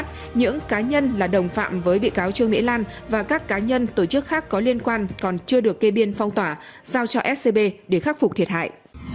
trước đó những cá nhân là đồng phạm với bị cáo trương mỹ lan và các cá nhân tổ chức khác có liên quan còn chưa được kê biên phong tỏa giao cho scb để khắc phục thiệt hại